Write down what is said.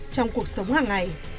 trong cuộc sống hàng ngày